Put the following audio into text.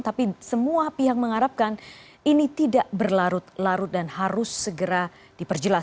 tapi semua pihak mengharapkan ini tidak berlarut larut dan harus segera diperjelas